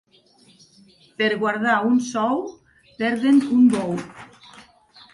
Per guardar un sou perden un bou.